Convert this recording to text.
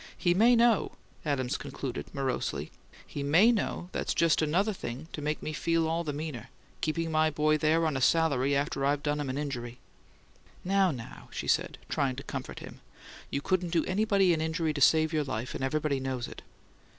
He may know," Adams concluded, morosely "he may know that's just another thing to make me feel all the meaner: keeping my boy there on a salary after I've done him an injury." "Now, now!" she said, trying to comfort him. "You couldn't do anybody an injury to save your life, and everybody knows it."